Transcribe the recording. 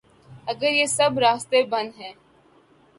اگریہ سب راستے بند ہیں۔